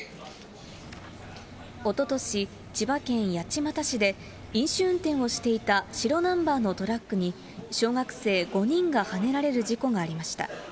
おととし、千葉県八街市で飲酒運転をしていた白ナンバーのトラックに、小学生５人がはねられる事故がありました。